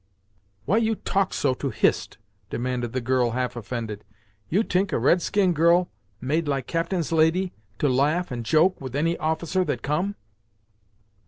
"Why you talk so to Hist!" demanded the girl half offended. "You t'ink a red skin girl made like captain's lady, to laugh and joke with any officer that come."